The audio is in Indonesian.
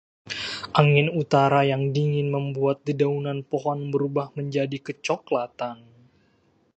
Angin utara yang dingin membuat dedaunan pohon berubah menjadi kecoklatan.